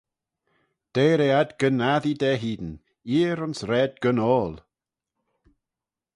Deiyr eh ad gyn assee da hene, eer ayns raad gyn oayll.